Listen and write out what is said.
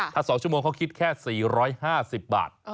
ถ้า๒ชั่วโมงเขาคิดแค่๔๕๐บาท